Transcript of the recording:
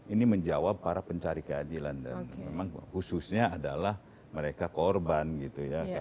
ini menjawab para pencari keadilan dan memang khususnya adalah mereka korban gitu ya